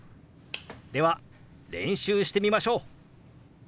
では練習してみましょう！